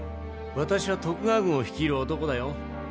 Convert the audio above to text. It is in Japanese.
私は徳川軍を率いる男だよ。